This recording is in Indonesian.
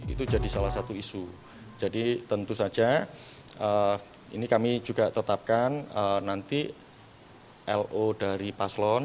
itu jadi salah satu isu jadi tentu saja ini kami juga tetapkan nanti lo dari paslon